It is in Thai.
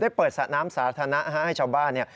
ได้เปิดสระน้ำสาธารณะให้ชาวบ้าน